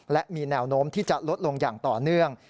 และมีแนวโน้มที่จะลดลงอย่างต่อเนื่อง